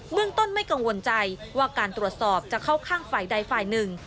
เมืองต้นไม่กังวลใจว่าการตรวจสอบจะเข้าข้างฝ่ายใดฝ่ายหนึ่ง